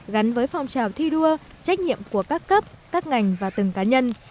gắn với phong trào thi đua trách nhiệm của các cấp các ngành và từng cá nhân